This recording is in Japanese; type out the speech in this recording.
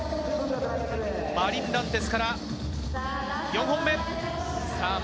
マリン・ランテスから４本目。